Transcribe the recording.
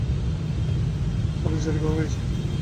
আদেশ জারি হয়েছে।